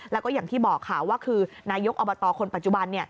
แล้วก็อย่างที่บอกค่ะว่าคือนายกอบตคนปัจจุบัน